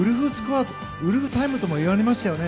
ウルフタイムとも言われましたよね。